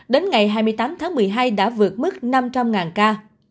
đến ngày hai mươi tám tháng một mươi hai đã vượt mức năm trăm linh ca